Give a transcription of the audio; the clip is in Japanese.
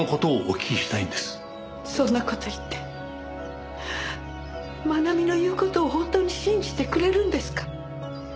そんな事言って愛美の言う事を本当に信じてくれるんですか？